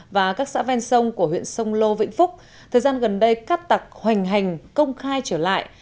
và các xã ven sông của huyện sông lô vĩnh phúc thời gian gần đây cắt tặc hoành hành công khai trở lại